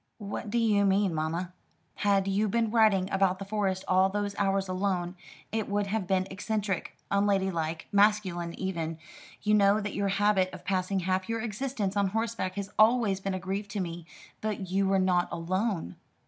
"What do you mean, mamma?" "Had you been riding about the Forest all those hours alone, it would have been eccentric unladylike masculine even. You know that your habit of passing half your existence on horseback has always been a grief to me. But you were not alone."